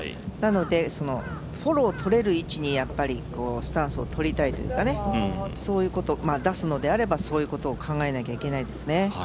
なのでフォローとれる位置にスタンスをとりたいというかね、出すのであれば、そういうことを考えなければいけないですね。